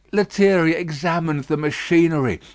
Lethierry examined the machinery.